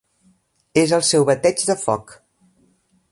És el seu bateig de foc.